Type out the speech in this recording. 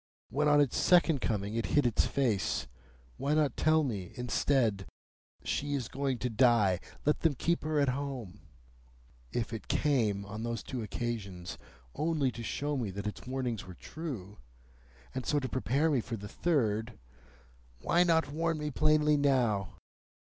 When on its second coming it hid its face, why not tell me, instead, 'She is going to die. Let them keep her at home'? If it came, on those two occasions, only to show me that its warnings were true, and so to prepare me for the third, why not warn me plainly now?